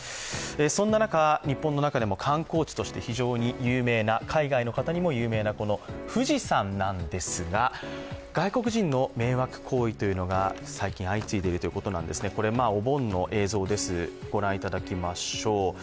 そんな中、日本の中でも観光地として海外の方にも有名なこの富士山なんですが外国人の迷惑行為というのが最近、相次いでいるようですお盆の映像、ご覧いただきましょう。